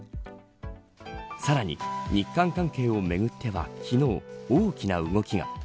さらに日韓関係をめぐっては昨日大きな動きが。